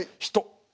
人。